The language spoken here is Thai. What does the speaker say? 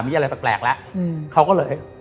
มีอะไรแปลกแล้วเขาก็เลย